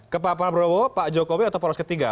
kepala pan prabowo pak jokowi atau paros ketiga